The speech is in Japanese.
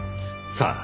さあ？